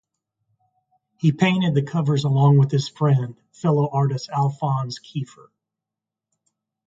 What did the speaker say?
He painted the covers along with his friend, fellow artist Alfons Kiefer.